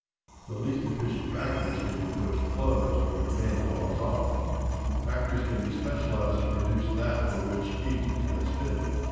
The least efficient factories can be first closed when demand falls off. Factories can be specialized to produce that for which each is best fitted.